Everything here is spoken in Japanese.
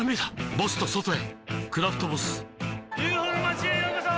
ボスと外へ「クラフトボス」ＵＦＯの町へようこそ！